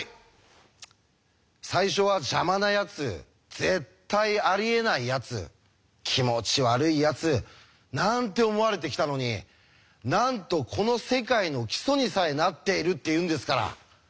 最初は邪魔なやつ絶対ありえないやつ気持ち悪いやつなんて思われてきたのになんとこの世界の基礎にさえなっているっていうんですから。